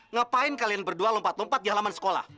ngapain kalian berdua lompat lompat di halaman sekolah